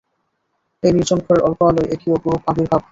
এই নির্জন ঘরের অল্প আলোয় এ কী অপরূপ আবির্ভাব!